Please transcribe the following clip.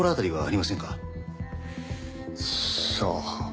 さあ。